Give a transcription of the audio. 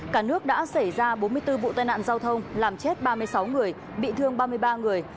cả nước đã xảy ra bốn mươi bốn vụ tai nạn giao thông làm chết ba mươi sáu người bị thương ba mươi ba người